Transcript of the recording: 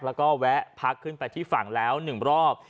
แล้วก็แวะพักขึ้นไปที่ฝั่งแล้ว๑รอบ